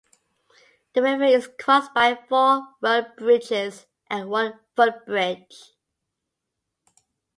The river is crossed by four road bridges and one footbridge.